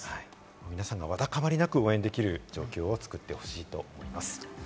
皆さんがわだかまりなく応援できる状況を作ってもらいたいなと思います。